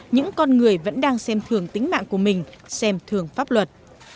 những con người vẫn đang xem thường tính mạng của mình xem thường pháp luật